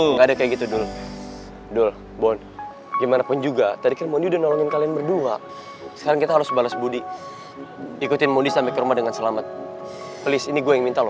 nggak ada kayak gitu dul dul bon gimanapun juga tadi kan mondi udah nolongin kalian berdua sekarang kita harus balas budi ikutin mondi sampe rumah dengan selamat please ini gue yang minta lo